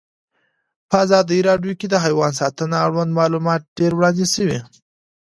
په ازادي راډیو کې د حیوان ساتنه اړوند معلومات ډېر وړاندې شوي.